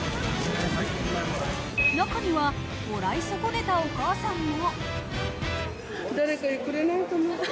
中には、もらい損ねたお母さんも。